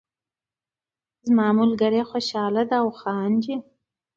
زما ملګری خوشحاله دهاو خاندي